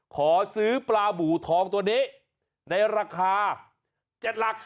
ขอซื้อปลาบูทองตัวนี้ในราคา๗หลัก